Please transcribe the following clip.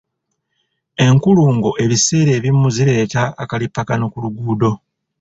Enkulungo ebiseera ebimu zireeta akalippagano ku luguudo.